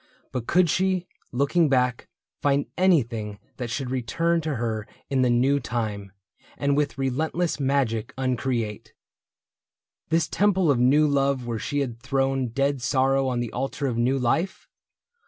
— But could she, looking back, find anything That should return to her in the new time, And with relentless magic uncreate THE BOOK OF ANN AND ALE 137 This temple of new love where she had thrown Dead sorrow on the altar of new life